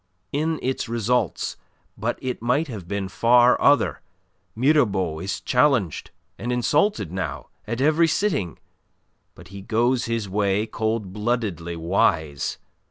"In its results. But it might have been far other. Mirabeau is challenged and insulted now at every sitting. But he goes his way, cold bloodedly wise.